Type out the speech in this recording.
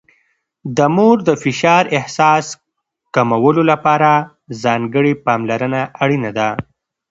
د مور د فشار احساس کمولو لپاره ځانګړې پاملرنه اړینه ده.